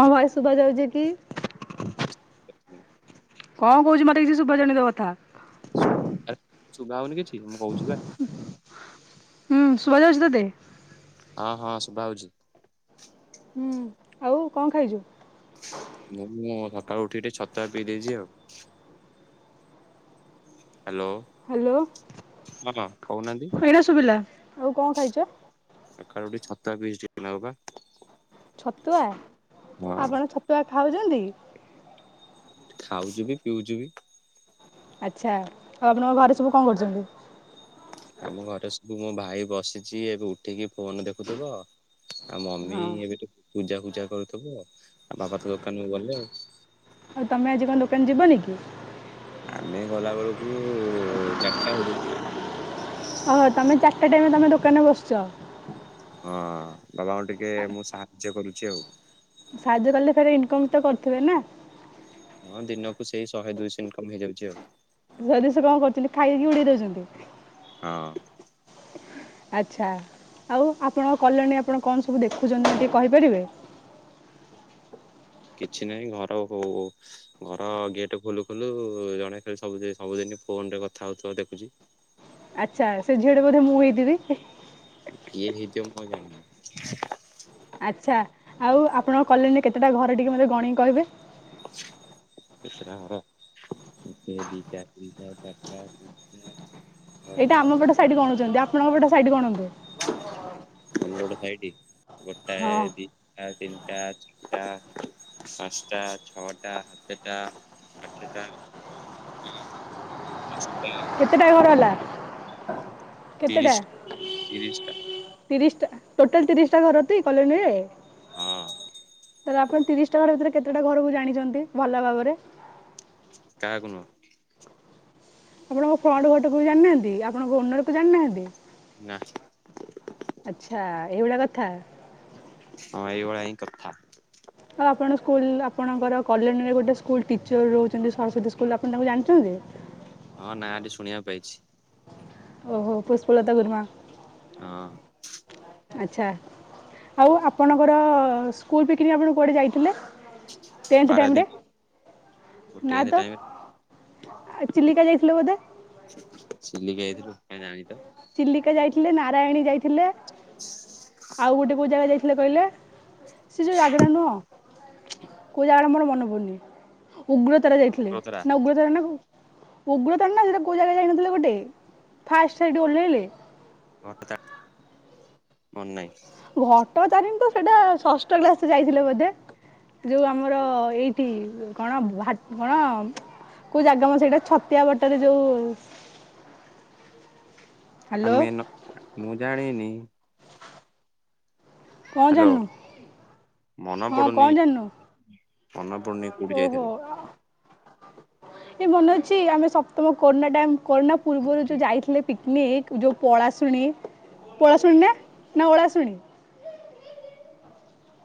ମୋ ଭୟସ ଶୁଭାଯାଉଛି କି? କଣ କହୁଛି ମତେ କିଛି ଶୁଭ ଯାଉନି ତୋ କଥା। ସୁଗା ହଉନି କିଛି ମୁଁ କହୁଛି ପା। ହୁଁ ଶୁଣାଯାଉଛି ତତେ? ହଁ ହଁ ଶୁଭା ହଉଛି। ହୁଁ ଆଉ କଣ ଖାଇଛୁ? ମୁଁ ମୁଁ ସକାଳୁ ଉଠି ଟିକେ ଛତୁଆ ପିଇ ଦେଇଛି ଆଉ। ହ୍ୟାଲୋ। ହାଲୋ ହଁ କହୁନାହାନ୍ତି ହଇଣା ଶୁଭିଲା ଆଉ କଣ ଖାଇଛ? ସକାଳୁ ଉଠି ଛତୁଆ ପିଇଛି ଟିକେ ନାଗୁପା। ଛତୁଆ ଆପଣ ଛତୁଆ ଖାଉଚନ୍ତି? ଖାଉଚୁ ବି ପିଉଚୁ ବି। ଆଚ୍ଛା, ଆଉ ଆପଣଙ୍କ ଘରେ ସବୁ କ କରୁଛନ୍ତି? ଆମ ଘରେ ସବୁ ମୋ ଭାଇ ବସିଛି, ଏବେ ଉଠିକି ଫୋନ ଦେଖୁଥିବ। ଆଉ ମମି ହଁ ଏବେ ତ ପୂଜା ପୂଜା ର୍କରୁଥିବ, ଆ ଆଉ ବାପା ତ ଦୋକାନକୁ ଗଲେ ଆଉ। ଆଉ ତମେ ଆଜି କଣ ଦୋକାନ ଯିବନି କି? ଆମେ ଗଲା ବେଳକୁ ଚାରିଟା ହେଇଯିବ। ଓହୋ ତମେ ଚାରିଟା ଟାଇମ ତେମ ଦୋକାନରେ ବସିଛ। ହଁ ବାବା ଙ୍କୁ ଟିକେ ମୁଁ ସାହାଯ୍ୟ କରୁଛି ଆଉ। ସାହାଯ୍ୟ କାଲି ଫରେ ଇନକମ୍ ତ କରୁଥିବେ ନା। ହଁ ଦିନକୁ ସେଇ ଶହେ ଦୁଇଶହ ଇନକମ୍ ହେଇଯାଉଛି ଆଉ। ଶହେ ଦୁଇଶ ଟଙ୍କା କଣ କରୁଛନ୍ତି? ଖାଇକି ଉଡେଇ ଦଉଛନ୍ତି। ହଁ। ଆଚ୍ଛା, ଆଉ ଆପଣଙ୍କ କଲଣୀ ଆପଣ କଣ ସବୁ ଦେଖୁଛନ୍ତି, ଟିକେ କହିପାରିବେ? କିଛି ନହିଁ ଘର ଓ-ହୋ-ଓ ଘର ଗେଟ ଖୋଲୁ ଖୋଲୁ ଜଣେ ଖାଲି ସବୁ ଦିନେ ସବୁ ସବୁଦିନ। ଫୋନରେ କଥା ହେଉଥିବ ଦେଖୁଛି। ଆଚ୍ଛା ସେ ଝିଅ ଟା ବୋଧେ ମୁଁ ହେଇଥିବି। କିଏ ହେଇଥିବ ମୁଁ ଆଉ ଜାଣିନି। ଆଛା ଆଉ ଆପଣ ଙ୍କ କଲେନୀ ରେ କେତେଟା ଘର ଟିକେ ମତେ ଗଣିକି କହିବେ। କେତେଟା ଘର ଗୋଟେ ଦିଟା ତିନିଟା ଚାରିଟା। ଏଇଟା ପାଞ୍ଚଟା ଛଅଟା ଆମ ପଟ ସାଇଟ୍ ଗଣୁଛନ୍ତି ଆପଣଙ୍କ ପଟ ସାଇଟ୍ ଗଣନ୍ତୁ। ଆମ ପଟ ସାଇଟ୍ ହଁ ଗୋଟାଏ ଦିଟା। ତିନିଟା ଚାରିଟା। ପାଞ୍ଚଟା ଛଅଟା ସାତେଟା ଆଠେଟା। ତିନି ଟା। କେତେଟା ଘର ହେଲା କେତେଟା ତିରିଶ ତିରିଶଟା ତିରିଶ। ଟ ଟୋଟାଲ ତିରିଶ ଟା ଘର ଟି କଲୋନୀରେ। ହଁ। ତାହଲେ ଆପଣ ତିରିଶଟା ଘର ଭିତରେ କେତେଟା ଘରକୁ ଜାଣିଛନ୍ତି ଭଲ ଭାବରେ। କାହାକୁ ନୁହଁ। ଆପଣଙ୍କ ଫ୍ରଣ୍ଟ ଘର ଟା କୁ ଜାଣିନାହାନ୍ତି ଆପଣଙ୍କ ଓନରକୁ ଜାଣି ନାହାନ୍ତି। ନା। ଏଇଭଳିଆ କଥା ହଁ ଏଇଭଳିଆ ହିଁ କଥା। ଆଉ ଆପଣ ସ୍କୁଲ ଆପଣଙ୍କର କଲୋନୀ ରେ ଗୋଟେ ସ୍କୁଲ ଟିଚର ରହୁଛନ୍ତି ସରସ୍ଵତୀ ସ୍କୁଲ ଆପଣ ତାଙ୍କୁ ଜାଣିଚନ୍ତି। ହଁ ନାଁ ଟି ଶୁଣିବାକୁ ପାଇଛି। ଓହୋ ପୁଷ୍ପଲତା ଗୁରୁମା। ହଁ। ଆଚ୍ଛା ଆଉ ଆପଣଙ୍କର ସ୍କୁଲ ପିକନିକ୍ ଆପଣ କୁଆଡ଼େ ଯାଇଥିଲେ। ଟେନ୍ଥ ଟାଇମ ରେ। ମୋ ଟେନଥ ଟାଇମରେ। ଆଉ ଚିଲିକା ଯାଇଥିଲେ ବୋଧେ। ଚିଲିକା ଯାଇଥିଲୁ କାଇଁ ଜାଣିନି ତ। ଚିଲିକା ଯାଇଥିଲେ ନାରାୟଣୀ ଯାଇଥିଲେ ଆଉ ଗୋଟେ କୋଉ ଜାଗା ଯାଇ ଥୀଲେ କହିଲେ ସେ ଯୋଉ ଜାଗଟା ନୁହଁ କୋଉ ଜାଗା ଟା ମୋର ମନେପ ଡୁନି ଉଗ୍ରତାର ଯାଇଥିଲେ କୋଳତରା ନା ଉଗ୍ରତାର ନା କୋଉ ଉଗ୍ରତାର ନା ସେଟା କୋଉ ଜାଗା ଯାଇନଥିଲେ ଗୋଟେ ଫାର୍ଷ୍ଟ ସେଇଠି ଓହ୍ଲେଇଲେ। ଘଟ ତା ମନ ନହିଁ। ଘଟଗାଁ ତାରିଣୀ ତ ସେଟା ଷଷ୍ଟ କ୍ଲାସ ରେ ଯାଇଥିଲେ ବୋଧେ। ଯୋଉ ଆମର ଏଇଠି କଣ ଭାଟ କଣ। କୋଉ ଜାଗା ମ ସେଇଟା ଛତିଆ ବଟରେ ଯୋଉ। ହ୍ୟାଲୋ ଆମେ ନ ମୁଁ ଜାଣିନି। କଣ ହ୍ୟାଲୋ ଜାଣିନୁ। ମନେ ହଁ ପଡୁନି କଣ ମନେ ପଡୁନି କୋଉଠି ଜାଣିନୁ ଓହୋ। ଯାଇଥିଲୁ ଏ ମନେ ଅଛି ଆମେ ସପ୍ତମ କରୋନା ଟାଇମ୍ କରୋନା ପୂର୍ବରୁ ଯୋଉ ଯାଇଥିଲେ ପିକ ନିକ୍ ଯୋଉ ପଳାଶୁଣି ପଳାଶୁଣି ନା ନା ଓଳାଶୁଣି।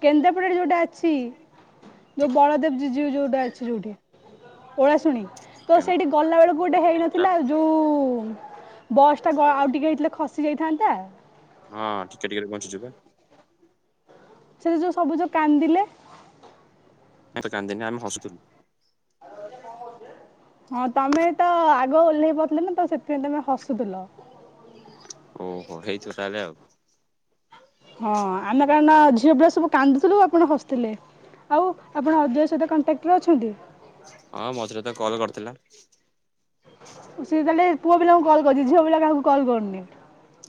କେନ୍ଦ୍ରାପଡାରେ ଯୋଉଟା ଅଛି ଯୋଉ ବଳଦେବ ଜିଜିଉ ଯୋଉଟା ଅଛି ଯୋଉଠି। ଓଳାଶୁଣି ତ କେନ୍ଦ୍ରା ସେଇଠି ଗଲା ବେଳକୁ ଗୋଟେ ହେଇନଥିଲା ଯୋଉ। ବସ୍ ଟା ଗ ଆଉ ଟିକେ ହେଇଥିଲେ ଖସି ଯାଇଥାନ୍ତା। ହଁ ଟିକେ ଟିକେ ରେ ବଞ୍ଚିଛୁ ବା। ସେଠୀ ଯୋଉ ସବୁ ଯୋଉ କାନ୍ଦିଲେ। ମୁଁ ତ କାନ୍ଦିନି ଆମେ ହସୁଥିଲୁ। ହଁ ତମେ ତ ଆଗ ଓହ୍ଲେଇ ପାଡିଥିଲ ନା ତ ସେଥିପାଇଁ ତମେ ହସୁଥିଲ। ଓହୋ ହେଇଥିବ ତା ହଲେ ଆଉ। ହଁ ଆମେ କାରଣ ଝିଅ ପିଲା ସବୁ କାନ୍ଦୁଥିଲୁ ଆପଣ ହସିଥିଲେ। ଆଉ ଆପଣ ଅଜୟ ସହିତ କଣ୍ଟାକ୍ଟରେ ଅଛନ୍ତି। ହଁ ମଝିରେ ତ କଲ କରିଥିଲା। ସେ ତାହେଲେ ପୁଅ ପିଲାଙ୍କୁ କଲ୍ କରୁଚି। ଝିଅ ପିଲା କାହାକୁ କଲ୍ କରୁନି।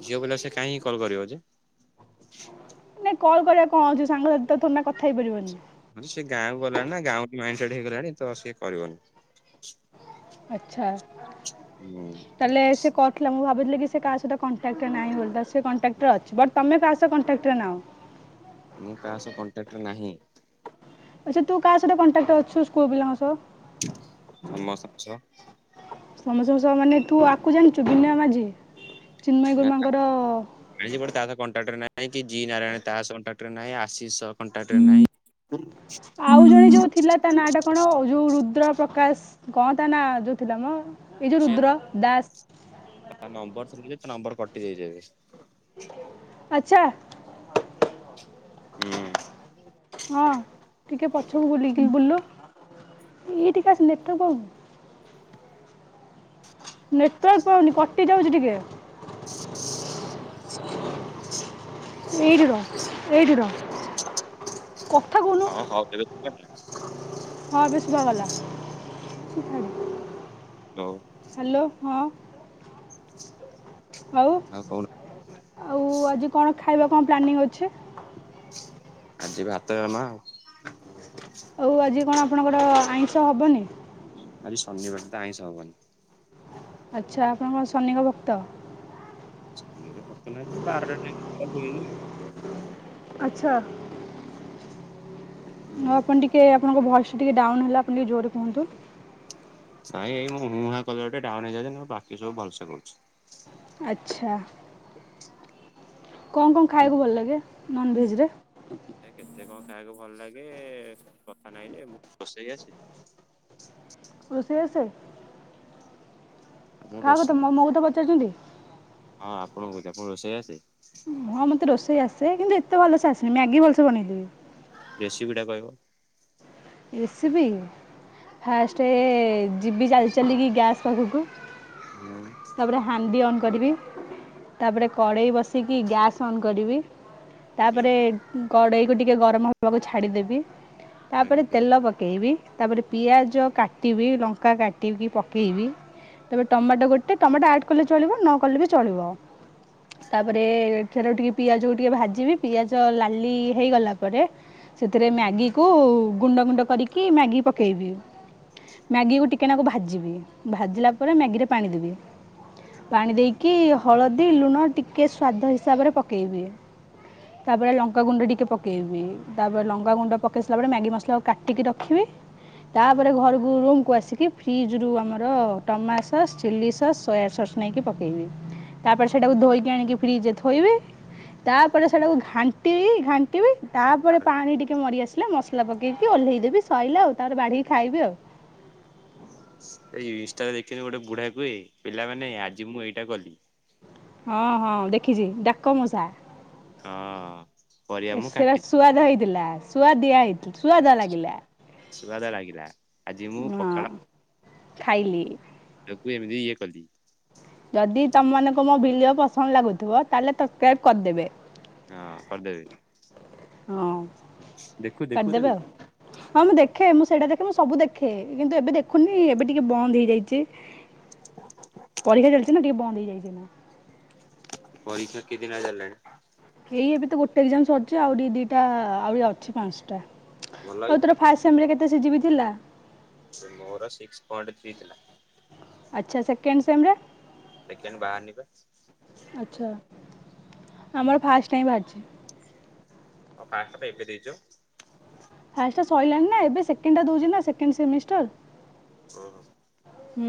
ଝିଅ ପିଲା କୁ ସେ କାହିଁକି କଲ କରିବ ଯେ? ନାଇଁ କଲ୍ କରିବା କଣ ଅଛି ସାଙ୍ଗ ସାଥି ତ ଥୋଡି ନା କଥା ହେଇପାରିବନି। ସେ ଗାଁକୁ ଗଲାଣି ନା ଗାଁ ମାଇଣ୍ଡ ସେଟ ହେଇଗଲାଣି, ତ ସିଏ କରିବନି ଆଛା ହୁଁ ତାହେଲେ ସେ କହୁଥିଲା ମୁଁ ଭାବ ବୁଝିଲେ କି ସେ କାହା ସହିତ କଣ୍ଟାକ୍ଟରେ ନାହିଁ ବୋଲି ତା ସହ କଣ୍ଟାକ୍ଟରେ ଅଛି ବଟ ତମେ କାହା ସହ କଣ୍ଟାକ୍ଟରେ ନାହଁ। ମୁଁ କାହା ସହ କଣ୍ଟାକ୍ଟରେ ନାହିଁ? ଆଚଛା ତୁ କାହା ସହିତ କଣ୍ଟାକ୍ଟ ଅଛୁ ସ୍କୁଲ ପିଲାଙ୍କ ସହ? ସମସ୍ତଙ୍କ ସହ ସମସ୍ତଙ୍କ ସହ ମାନେ ତୁ ଆକୁ ଜାଣିଛୁ ବିନୟ ମାଝି? ଚିନ୍ମୟୀ ଆଁ ତା ଗୁରୁମାଙ୍କର ଏଇପଟେ ତାର ତ କଣ୍ଟ୍ରାକ୍ଟର ନାଇ। ନାଇଁ କି ଜି ନାରାୟଣ ତା କଣ୍ଟାକ୍ଟରେ ନାହିଁ, ଆଶିଷ କଣ୍ଟାକ୍ଟରେ ନାହିଁ। ଆଉ ଜଣେ ଯୋଉ ଥିଲା ତା ନାଁ ଟା କଣ ଅ ଯୋଉ ରୁଦ୍ର ପ୍ରକାଶ। କଣ ତା ନା ଯୋ ଥିଲା ମ। ଏଇ ଯୋଉ ସେ ରୁଦ୍ର ଦାସ ତା ନମ୍ବର ଥିଲା ଯେ ତା ନମ୍ବର କଟି ଯାଇଚି ଏବେ। ଆଚ୍ଛା। ହୁଁ। ହଁ ଟିକେ ପଛକୁ ବୁଲିକି ବୁଲଲୁ। ଏଇଟିକି ଆସି ନେଟୱାର୍କ ପାଉନି। ନେଟୱାର୍କ ପାଉନି କଟି ଯାଉଛି ଟିକେ। [inaudible] ଏଇଠି ର ଏଇଠି ର କଥା କହୁନୁ ହଁ ହଉ ଏବେ ହଁ ଏବେ ଶୁଭାଗଲା। [inaudible] ହଉ ହାଲୋ ହଁ। ଆଉ କଣ? ଆଉ ଆଜି କଣ ଖାଇବା କଣ ପ୍ଲାନିଂ ଅଛି? ଆଜି ଭାତ, ଡାଲମା ଆଉ। ଆଉ ଆଜି କଣ ଆପଣଙ୍କର ଆଇଁଷ ହବନି? ଆଜି ଶନିବାର ତ ଆଇଁଷ ହବନି। ଆଚ୍ଛା ଆପଣଙ୍କ ଶନିଙ୍କ ଭକ୍ତ ମୁ ତ ପତନ [unintelligible] ବାର [unintelligible] ଆଛ।। ହୁଁ ଆପଣ ଟିକେ ଆପଣଙ୍କ ଭଏସ ଟା ଟିକେ ଡାଉନ ହେଲା, ଆପଣ ଟିକେ ଜୋରରେ କୁହନ୍ତୁ। ନାଇଁ ଏଇ ମୁଁ ମୁଁହାଁ କହିବା ଟେ ଡାହାଣେ ଯାଉଛି ନହେଲେ ବାକି ସବୁ ଭଲସେ କରୁଚି। ଆଛା। କଁ କଁ ଖାଇବାକୁ ଭଲ ଲାଗେ ନନଭେଜରେ। କଁ ଖାଇବାକୁ ଭଲ ଲାଗେ କଥା ନାହିଁ ଯେ ମୁଁ ରୋଷେଇ ଆସେ। ରଷେଇ ଆସେ। ଆପଣଙ୍କୁ କାହା ରୋଷେ କଥା ମୋ ମୋ କଥା ପଚାରୁଛନ୍ତି। ହଁ ଆପଣ କହୁଛି ଆପଣ ରୋଷେଇ ଆସେ? ହଁ ମତେ ରୋଷେଇ ଆସେ କିନ୍ତୁ ଏତେ ଭଲସେ ଆସନି ମ୍ୟାଗି ଭଲସେ ବନେଇଦେବି। ରେଶିପି ଟା କହିବ। ରେସିପି। ଫାଷ୍ଟ ଯିବି ଚାଲି ଚାଲିକି ଗ୍ୟାସ୍ ପାଖକୁ ହୁଁ ତାପରେ ହ୍ୟାନଦୀ ଅନ୍ କରିବି। ତାପରେ କଡ଼େଇ ବସିକି ଗ୍ୟାସ୍ ଅନ୍ କରିବି। ଆଜ୍ଞା। ତାପରେ କଡେଇ କୁ ଟିକେ ଗରମ ହବାକୁ ଛାଡିଦେବି। ତାପରେ ଆଜ୍ଞା। ତେଲ ପକେଇବି ତାପରେ ପିଆଜ କାଟିବି ଲଙ୍କା କାଟିକି ପକେଇବି। ତେବେ ଟମାଟୋ ଗୋଟେ ଟମାଟୋ ଆଡ କଲେ ଚଳିବ ନକଲେ ବି ଚଳିବ। ତାପରେ ଏଥିରୁ ଟିକେ ପିଆଜ କୁ ଟିକେ ଭାଜିବି ପିଆଜ ଲାଲି ହେଇଗଲା ପରେ। ସେଥିରେ ମ୍ୟାଗି କୁ ଗୁଣ୍ଡ ଗୁଣ୍ଡ କରିକି ମ୍ୟାଗି ପକେଇବି। ମ୍ୟାଗିକୁ ଟିକେନାକୁ ଭାଜିବି ଭାଜିଲା ପରେ ମ୍ୟାଗିରେ ପାଣି ଦେବି। ପାଣି ଦେଇକି ହଳଦୀ ଲୁଣ ଟିକେ ସ୍ଵାଦ ହିସାବରେ ପକେଇବି। ତାପରେ ଲଙ୍କା ଗୁଣ୍ଡ ଟିକେ ପକେଇବି। ତାପରେ ଲଙ୍କା ଗୁଣ୍ଡ ପକେଇ ସାରାବା ପରେ ମ୍ୟାଗି ମ କୁ କାଟିକି ରଖିବି। ତାପରେ ଘରକୁ ରୁମକୁୁ ଆସିକି। ଫ୍ରିଜ ରୁ ଆମର tomato sauce chilli sauce soya sauce ଏଠୁ ନେଇକି ପକେଇବି। ତାପରେ ସେଇଟାକୁ ଧୋଇକି ଆଣିକି ଫ୍ରିଜିରେ ଥୋଇବେ। ତାପରେ ସେଟାକୁ ଘାଣ୍ଟିବି ଘାଣ୍ଟିବି ତାପରେ ପାଣି ଟିକେ ମରି ଆସିଲେ ମସଲା ପକେ କି ଓହ୍ଲେଇଦେବି ସଇଲା ଆଉ ତାରେ ବାଢିକି ଖାଇବି ଆଉ। ଏଇ ଇନଷ୍ଟାରେ ଦେଖିନି ଗୋଟେ ବୁଢା କୁହେ। ପିଲାମାନେ ଆଜି ମୁଁ ଏଇଟା କଲି। ହଁ ହଁ ଦେଖିଛି ଡାକ ମଉସା। ହଁ। ପରିବା ଏ ମୁଁ ସୁଆ କାଟି ସୁଆଦ ହେଇଥିଲା ସୁଆଦିଆ ହେଇ ସୁଆଦ ଲାଗିଲା ସୁଆଦ ଲାଗିଲା ଆଜି ମୁଁ ହଁ। ଖାଇଲି। ଆକୁ ଏମିତି ଇଏ କଲି। ଯଦି ତମମାନଙ୍କୁ ମୋ ଭିଲିଓ ପସନ୍ଦ ଲାଗୁଥିବ। ତାହେଲେ ସତସ୍କ୍ରାଇବ କରିଦେବେ। ହଁ କରିଦେବି। ହଁ ଦେଖୁ ଦେଖୁ କରିଦେବେ ଦେଖୁ ଆଉ ହଁ ମୁଁ ଦେଖେ। ମୁଁ ସେଇଟା ଦେଖ ମୁଁ ସବୁ ଦେଖେ। କିନ୍ତୁ ଏବେ ଦେଖୁନି ଏବେ ଟିକେ ବନ୍ଦ ହେଇଯାଇଚି। ପରୀକ୍ଷା ଚାଲିଚି ନା ଟିକିଏ ବନ୍ଦ ହେଇଯାଇଚି ଏଇନା। ପରୀକ୍ଷା କେଦିନ ହେଲାଣି ଚାଲିଲାଣି। ଏଇ ଏବେତ ଗୋଟେ ଏକଜାମ ସରିଚି। ଆହୁରି ଦିଟା ଆ ଅଛି ପାଞ୍ଚଟା। ଭଲ ଆଉ ତୋର ଫାଷ୍ଟ ସେମରେ କେ ସିଯିବି ଥିଲା। ମୋର ସିକ୍ସି ପଏଣ୍ଟ ଥ୍ରୀ ଥିଲା। ଆଚ୍ଛା ସେକେଣ୍ଡ ସେମ ରେ। ସେକେଣ୍ଡ ବାହାରି ନି ପା। ଆଚ୍ଛା ଆମର ଫାର୍ଷ୍ଟ ଟାଇମ ଭାରଛି। ଆଉ ପାସଟା ପା ଏବେ ଦେଇଚ। ଫାଷ୍ଟ ଟା ସଇଲାଣି ନା ଏବେ ସେକେଣ୍ଡ ଦୋଉଚୀ ନା ସେକେଣ୍ଡ ସେମିଷ୍ଟାର। ଓ ହୋ। ହୁଁ।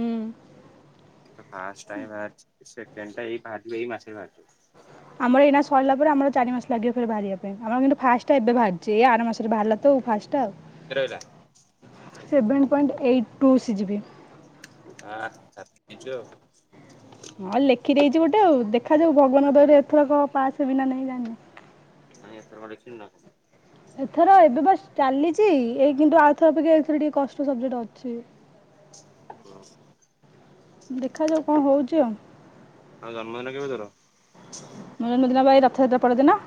ଏଇଟା ଫାର୍ଷ୍ଟ ଟାଇମ ବାହାରିଚି। ସେକେଣ୍ଡ ଟା ଏଇ ବାହାରିବ ଏଇ ମାସ ବାହାରିଯିବ। ଆମର ଏଇନା ସରିଲା ପରେ ଆମର ଚାରି ମାସ ଲାଗିବ ଫେରେ ବାହାରିବା ପାଇଁ ଆମର କିନ୍ତୁ ଫାଷ୍ଟଟା ଏବେ ବାହାରିଚି। ଏଇ ଆର ମାସରେ ବାହାରିଲା ତ ଫାଷ୍ଟ। କେତେ ରହିଲା ଟା ସେଭେନ୍ ପଏଣ୍ଟ ଏଇଟ୍ ଟୁ ସି ଯିବି। ଆ ରାମପି ଦେଇଚୁ ଆଉ। ହଁ ଲେଖିଦେଇଚି ଗୋଟେ ଆଉ। ଦେଖାଯାଉ ଭଗବନ ଦୟାରେ ଏଥର କ ପାସ ହେବିନା ନାଇଁ ଜାଣିନି। କାଇଁ ଏଥର ଲେଖିନୁ ନା କଣ? ଏଥର ଏବେ ବାସ ଚାଲିଚି। ଏଇ କିନ୍ତୁ ଆରଥକ ଅପେକ୍ଷା ଏଇଥର ଟିକେ କଷ୍ଟ ସବଜେଟ ଅଛି। ଦେଖାଯାଉ କଣ ହଉଚି ଆଉ। ଆଉ ଜନ୍ମଦିନ କେବେ ତର? ମୋ ଜନ୍ମ ଦିନ ପା ଏଇ ରଥଯାତ୍ରା ପରଦିନ।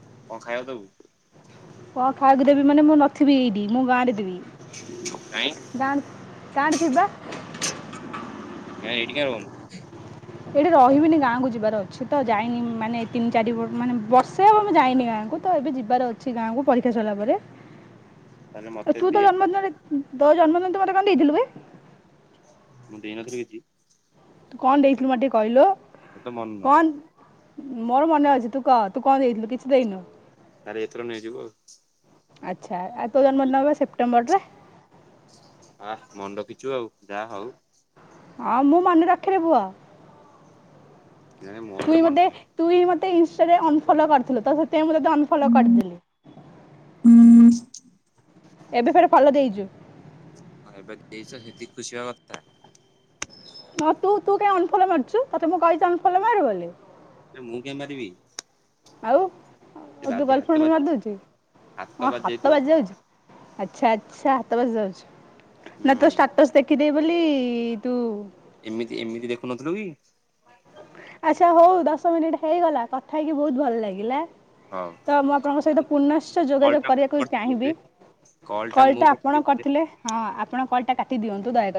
କଁ ଖାଇବାକୁ ଦବୁ? କଣ ଖାଇବାକୁ ଦେବି ମାନେ ମୁଁ ନଥିବି ଏଇଟି ମୁଁ ଗାଁ ରେ ଥିବି କାଇଁ ଗାଁ ରେ ଗାଁ ରେ ଥିବି ପା। ଏଇଟି କାଇଁ ରଇବୁନୁ? ଏଇଠି ରହିବିନି ଗାଁକୁ ଯିବାର ଅଛି ତ ଯାଇନି ମାନେ ତିନି ଚାରି ବ ମାନେ ବର୍ଷେ ହେବ ମୁଁ ଯାଇନି ଗାଁକୁ। ମୁଁ ତ ଏବେ ଯିବାର ଅଛି ଗାଁକୁ ପରୀକ୍ଷା ସରିଲା ପରେ। [unintelligible] ମତେ ତୁ ଦି ତ ଜନ୍ମଦିନରେ ତୋ ଜନ୍ମଦିନ ରେ ତୁ ମତେ କଣ ଦେଇଥିଲୁ ବେ? ମୁଁ ଦେଇନଥିଲି କିଛି? ତୁ କଣ ଦେଇଥିଲୁ ମତେ ଟିକେ କଇଲୁ? ମୋ ତ ମନ ନାହିଁ। ମୋର ମନେ ଅଛି ତୁ କଅ ତୁ କଣ ଦେଇଥିଲୁ କିଛି ଦେଇନୁ? ଆରେ ଏଥର ନେଇଯିବୁ ଆଉ। ଆଚ୍ଛା ଆ ଜନ୍ମ ଦିନ ବା ସେପ୍ଟେମ୍ବରରେ। ଆ ମନ ରକିିଚୁ ଆଉ ଯାହା ହଉ। ହଁ ମୁଁ ମନେ ରଖେରେ ପୁଅ। ନାଇଁ ମୋର ତୁଇ ତ ମନେ ମତେ ରୁହେ। ତୁଇ ମତେ ଇନଷ୍ଟାରେ ଅନଫଲୋ କରିଥିଲୁ ତ ତିପାଇଁ ମୁଁ ତତେ ଅନଫଲୋ କରିଦେଲି। ଏବେ ଫେରେ ଫଲୋ ଦେଇଚୁ। ହଁ ଏବେ ଦେଇଚ ସେତିକି ଖୁସିିବା କଥା। ହଁ ତୁ ତୁ କାଇଁ ଅନଫଲ ମାରୁଚୁ ତତେ ମୁଁ କଇଚି ଅନୁଫଲ୍ ମାରେ ବୋଲି? ଏ ମୁଁ କାଇଁ ମାରିବି? ଆଉ ଆଉ ସେ ତୋ ବାଜି ହାତ ଗଲଫ୍ରେଣ୍ଡ ବାଜି ମାରିଦଉଚି ହ ହାତ ବାଜି ଯାଉଚି ଆଚ୍ଛା ଆଚ୍ଛା। ହାତ ବାଜିଯାଉଛି ନା ତୋ ହୁଁ ଷ୍ଟାଟସ୍ ଦେଖିଦେବି ବୋଲି ତୁ ଏମିତି ଏମିତି ଦେଖୁନଥୁଲୁ କି? ଆଚ୍ଛା ହଉ ଦଶ ମିନିଟ ହେଇଗଲା କଥା ହେଇକି ବହୁତ ଭଲ ଲାଗିଲା। ହଉ ତ ମୁଁ ଆପଣଙ୍କ ସହିତ ପୁନଶ୍ଚ କଲ୍ ଯୋଗାଯୋଗ ଟା ମୁଁ କରିବାକୁ କରିଥିଲି ଚାହିଁବି। ବୋଧେ କଲ୍ କଲ ମୁଁ ଟା ଆପଣ କରିଥିଲି ବୋଧେ। କରିଥିଲେ ହଁ ଆପଣ କଲଟା କାଟି ଦିଅନ୍ତୁ ଦୟାକ